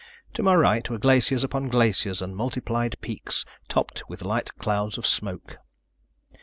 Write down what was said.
To my right were glaciers upon glaciers, and multiplied peaks, topped with light clouds of smoke.